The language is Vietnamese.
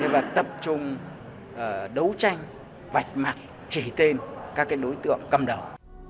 và tập trung vào lực lượng công an